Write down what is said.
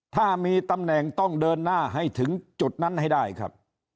ถ้ามีตำแหน่งต้องเดินหน้าให้ถึงจุดนั้นให้ได้ครับ